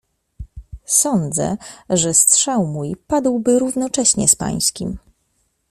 "Sądzę, że strzał mój padłby równocześnie z pańskim."